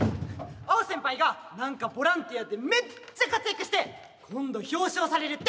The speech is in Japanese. アオ先輩が何かボランティアでめっちゃ活躍して今度表彰されるって。